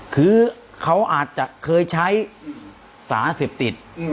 คือเขาอาจจะเคยใช้สารเสพติด